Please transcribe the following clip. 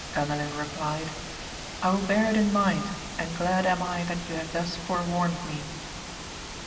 Gandalin replied, I will bear it in mind, and glad am I that you have thus forewarned me.